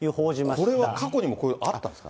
これは過去にもあったんですか？